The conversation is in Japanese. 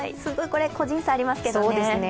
個人差ありますけどね。